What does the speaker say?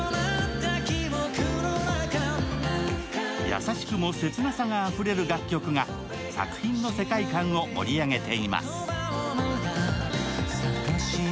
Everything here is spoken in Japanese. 優しくも切なさがあふれる楽曲が作品の世界観を盛り上げています。